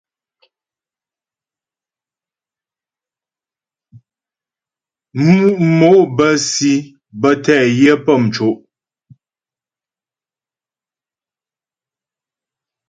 Mǔ' mò bə́ si bə́ tɛ yə pə́ mco'.